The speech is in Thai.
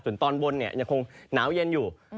ส่วนตอนบนยังคงหนาวเย็นอยู่